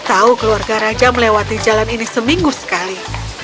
tahu keluarga raja melewati jalan ini seminggu sekali